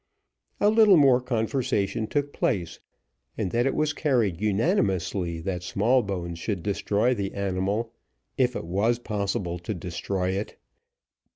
A little more conversation took place, and then it was carried unanimously that Smallbones should destroy the animal, if it was possible to destroy it.